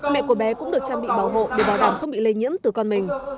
mẹ của bé cũng được trang bị bảo hộ để bảo đảm không bị lây nhiễm từ con mình